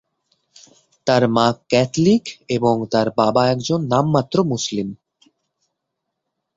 তার মা ক্যাথলিক এবং তার বাবা একজন নাম মাত্র মুসলিম।